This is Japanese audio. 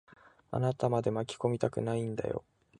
あなたまで巻き込みたくないんだよ。